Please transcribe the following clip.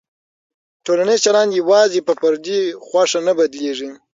ټولنیز چلند یوازې په فردي خوښه نه بدلېږي.